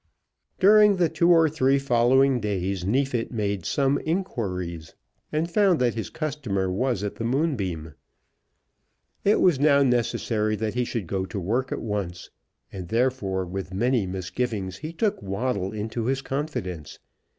During the two or three following days Neefit made some inquiries, and found that his customer was at the Moonbeam. It was now necessary that he should go to work at once, and, therefore, with many misgivings, he took Waddle into his confidence.